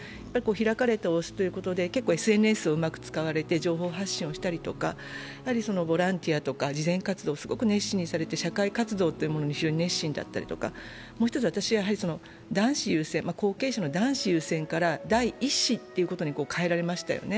開かれた王室ということでＳＮＳをうまく使われて情報発信したり、ボランティアとか慈善活動をすごく熱心にされて、社会活動というものにすごく熱心だったりとか、もう一つ、後継者の男子優先から第１子と変えられましたよね。